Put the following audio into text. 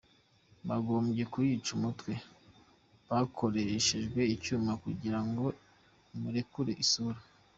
"Bagombye kuyica umutwe bakoresheje icyuma kugira ngo imurekure isura.